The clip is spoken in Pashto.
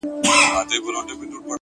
• سم به خو دوى راپسي مه ږغوه،